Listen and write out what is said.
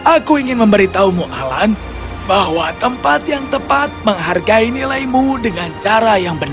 aku ingin memberitahumu alan bahwa tempat yang tepat menghargai nilaimu dengan cara yang benar